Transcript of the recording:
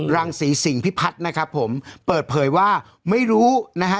รังศรีสิงพิพัฒน์นะครับผมเปิดเผยว่าไม่รู้นะฮะ